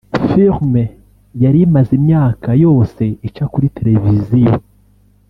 Film yari imaze imyaka yose ica kuri televiziyo